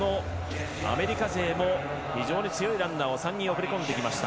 アメリカ勢も非常に強いランナーを３人送り込んできました。